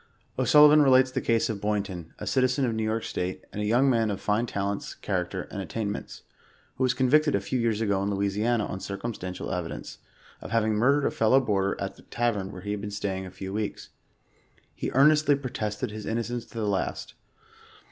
O'Sullivan relates the case of Boynton, a citizen of New York state, and " a young man of fine talents, character, and. attainments," who was convicted a few years ago in Louisiana, on circumstantial evidence, ofhaving murdered a fellow boarder at the tavern where he had been staying a few weeks. He earnestly protested his innocence to the last.